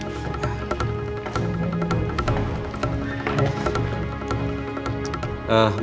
terima kasih banyak